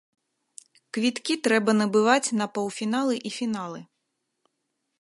Квіткі трэба набываць на паўфіналы і фіналы.